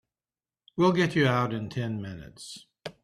We'll get you out in ten minutes.